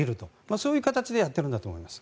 そういう形でやっているんだと思います。